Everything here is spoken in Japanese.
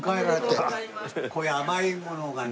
こういう甘いものがね。